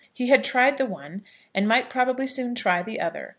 He had tried the one, and might probably soon try the other.